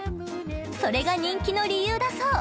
それが人気の理由だそう。